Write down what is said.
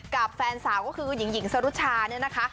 กับแฟนสาวก็คือหญิงสรุชาเนี่ยนะคะ